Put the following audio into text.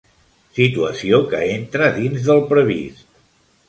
Situació que entra dins del previst.